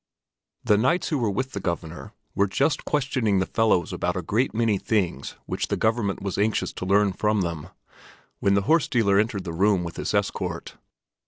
The knights who were with the Governor were just questioning the fellows about a great many things which the government was anxious to learn from them, when the horse dealer entered the room with his escort.